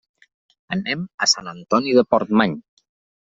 Anem a Sant Antoni de Portmany.